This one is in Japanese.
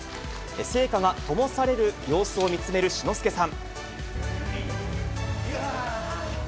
聖火がともされる様子を見つめる志の輔さん。